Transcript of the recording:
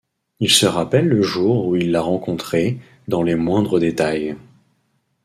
Il se rappelle le jour où il l'a rencontrée dans les moindres détails.